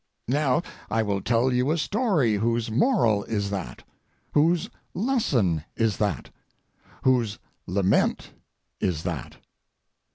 Now, I will tell you a story whose moral is that, whose lesson is that, whose lament is that.